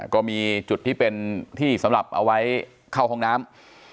ก็มีจุดที่เป็นที่สำหรับเอาไว้เข้าห้องน้ำ